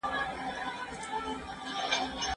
ولي افغانان په بهرنیو هېوادونو کي د پناه غوښتنه کوي؟